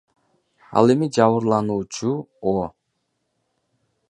Ал эми жабырлануучу О.